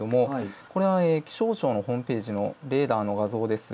これは気象庁のホームページのレーダーの画像です。